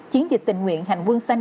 chiến dịch tình nguyện hành quân sanh